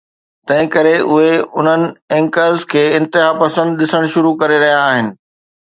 تنهن ڪري اهي انهن اينڪرز کي انتها پسند ڏسڻ شروع ڪري رهيا آهن.